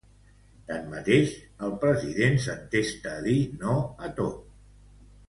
Tanmateix, el president espanyol s’entesta a dir no a tot.